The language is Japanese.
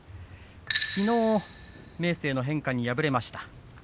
きのう明生の変化に敗れました。